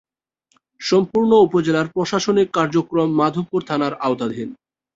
সম্পূর্ণ উপজেলার প্রশাসনিক কার্যক্রম মাধবপুর থানার আওতাধীন।